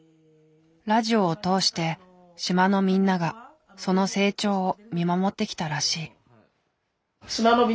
ラジオを通して島のみんながその成長を見守ってきたらしい。